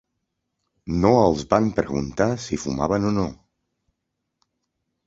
No els van preguntar si fumaven o no.